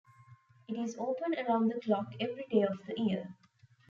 It is open around the clock, every day of the year.